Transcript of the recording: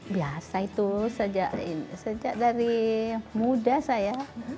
biasa itu sejak dari muda saya